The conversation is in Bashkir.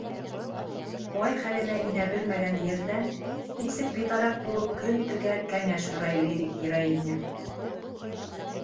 Ай хәленә инә белмәгән Ерҙән нисек битараф булып көн итергә кәңәш һорай лирик героиня.